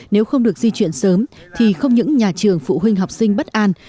nếu không được di chuyển sớm thì không những nhà trường phụ huynh học sinh bất an